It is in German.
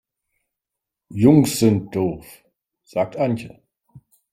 Jungs sind doof, sagt Antje.